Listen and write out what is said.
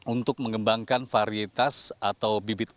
untuk menurut retno marsudi sudah ada beberapa hal yang dilakukan